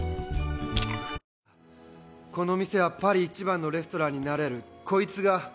「この店はパリ一番のレストランになれる」「こいつが」